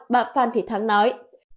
bà phan thủy thắng nói